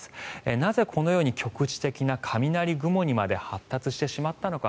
なぜこのように局地的な雷雲にまで発達してしまったのか。